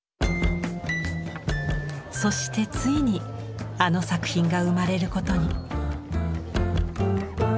そしてついにあの作品が生まれることに。